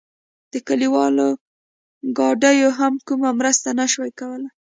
د کلیوالو ګاډیو هم کومه مرسته نه شوه کولای.